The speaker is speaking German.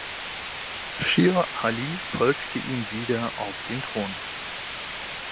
Schir Ali folgte ihm wieder auf den Thron.